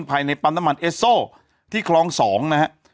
ภายในปั๊มน้ำมันเอสโซที่คลอง๒นะฮะ